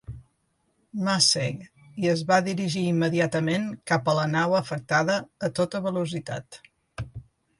"Massey" i es va dirigir immediatament cap a la nau afectada a tota velocitat.